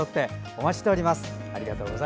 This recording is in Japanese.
お待ちしております。